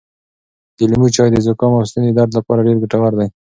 د لیمو چای د زکام او ستوني درد لپاره ډېر ګټور دی.